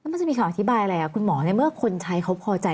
มันจะมีคำอธิบายอะไรคุณหมอในเมื่อคนใช้เขาพอใจ